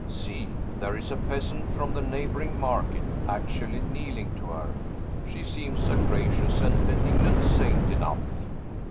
See; there is a peasant from the neighboring market, actually kneeling to her! She seems a gracious and benignant saint enough."